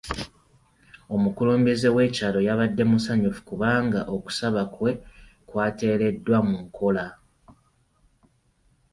Omukulembeze w'ekyalo yabadde musanyufu kubanga okusaba kwe kwateereddwa mu nkola.